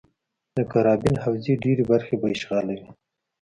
د کارابین حوزې ډېرې برخې به اشغالوي.